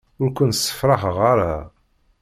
Ur ken-sefṛaḥeɣ ara.